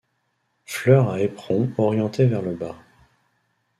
Fleurs à éperon orienté vers le bas.